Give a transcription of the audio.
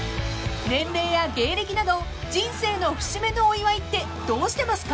［年齢や芸歴など人生の節目のお祝いってどうしてますか？］